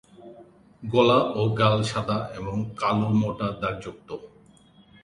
গলা ও গাল সাদা এবং কালো মোটা দাগযুক্ত।